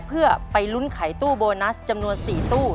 เพื่อไปลุ้นไขตู้โบนัสจำนวน๔ตู้